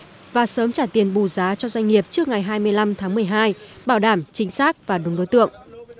và sớm trả tiền bù giá cho doanh nghiệp trước ngày hai mươi năm tháng một mươi hai bảo đảm chính xác và đúng đối tượng